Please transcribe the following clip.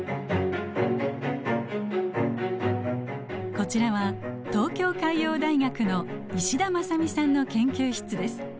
こちらは東京海洋大学の石田真巳さんの研究室です。